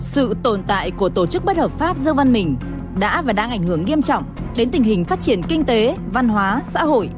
sự tồn tại của tổ chức bất hợp pháp dương văn mình đã và đang ảnh hưởng nghiêm trọng đến tình hình phát triển kinh tế văn hóa xã hội